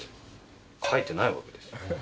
描いてないわけですよ。